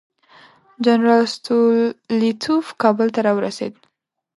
جنرال ستولیتوف کابل ته راورسېد.